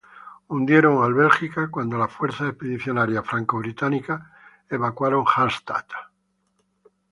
Hundieron al "Belgica" cuando la fuerza expedicionaria franco-británica evacuó Harstad.